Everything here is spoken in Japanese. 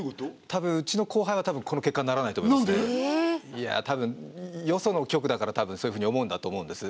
いやあたぶんよその局だからそういうふうに思うんだと思うんです。